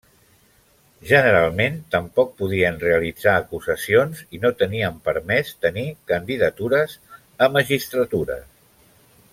Generalment tampoc podien realitzar acusacions i no tenien permès tenir candidatures a magistratures.